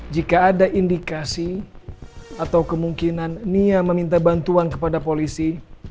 jika ada indikasi atau kemungkinan nia meminta bantuan kepada polisi